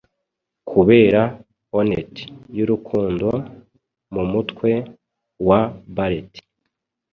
kubera onnet y'urukundo; mUmutwe wa Barret